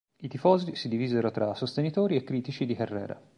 I tifosi si divisero tra sostenitori e critici di Herrera.